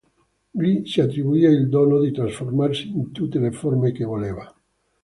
Gli si attribuiva il dono di trasformarsi in tutte le forme che voleva.